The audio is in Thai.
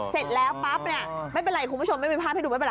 เสร็จแล้วปั๊บไม่เป็นไรคุณผู้ชมไม่มีพลาดให้ดู